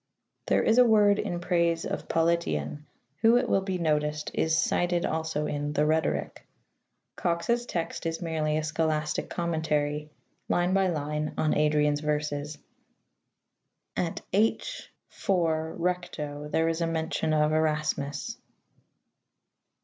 There is a word in praise of Politian, who, it will be noticed, is cited also in the Rhetoric. Cox's text is merely a scholastic commentary, line by line, on Adrian's verses. At H iiij recto there is a mention of Erasmus.